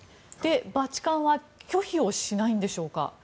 バチカンは拒否をしないんでしょうか。